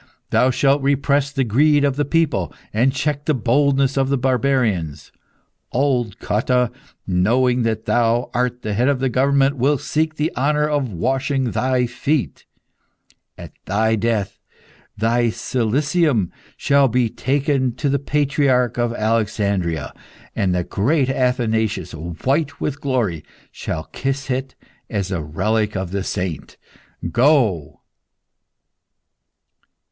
Thou shalt repress the greed of the people, and check the boldness of the barbarians. Old Cotta, knowing that thou art the head of the government, will seek the honour of washing thy feet. At thy death thy cilicium shall be taken to the patriarch of Alexandria, and the great Athanasius, white with glory, shall kiss it as the relic of a saint. Go!"